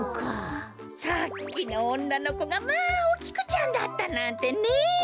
さっきのおんなのこがまあお菊ちゃんだったなんてねえ。